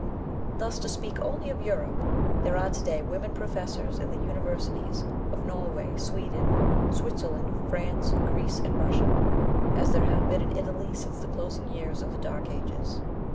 Thus, to speak only of Europe, there are to day women professors in the universities of Norway, Sweden, Switzerland, France, Greece and Russia, as there have been in Italy since the closing years of the Dark Ages.